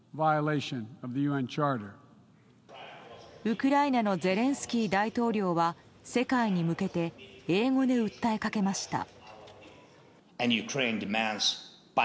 ウクライナのゼレンスキー大統領は世界に向けて英語で訴えかけました。